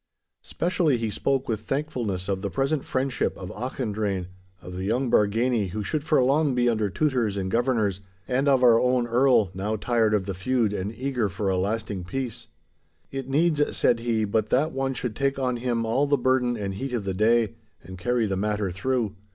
Specially he spoke with thankfulness of the present friendship of Auchendrayne, of the young Bargany who should for long be under tutors and governors, and of our own Earl, now tired of the feud and eager for a lasting peace. 'It needs,' said he, 'but that one should take on him all the burden and heat of the day, and carry the matter through.